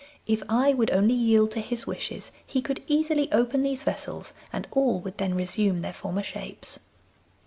If I would only yield to his wishes he could easily open these vessels, and all would then resume their former shapes.